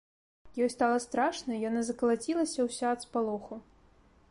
Ёй стала страшна, яна закалацілася ўся ад спалоху.